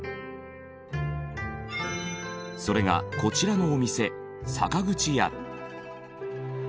それがこちらのお店坂口屋。